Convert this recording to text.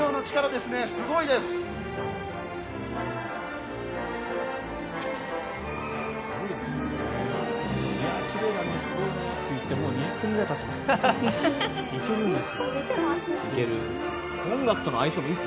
すごいな奇麗なって言ってもう２０分ぐらいたってるんです。